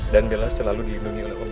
dan bella selalu dilindungi oleh allah